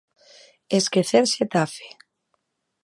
Esquecer Xetafe.